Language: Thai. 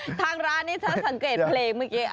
ทางร้านนี้ถ้าสังเกตเพลงเมื่อกี้